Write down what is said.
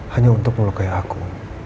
hanya untuk melukai aku